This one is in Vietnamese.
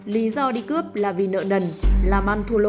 lý do đi cướp là vì nợ nần làm ăn thua lỗ